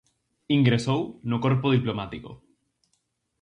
Ingresou no corpo diplomático.